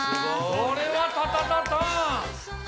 これは「タタタタン」。